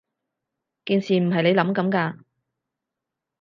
件事唔係你諗噉㗎